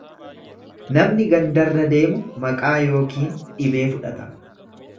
Namni gandarra deemu maqaa yookiin dhibee fudhata.